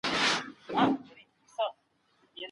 راډیوګانو د پوهني خپروني درلودې.